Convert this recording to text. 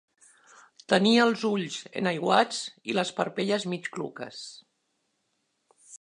Tenia els ulls enaiguats i les parpelles mig cluques.